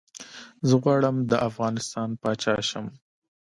زه غواړم ده افغانستان پاچا شم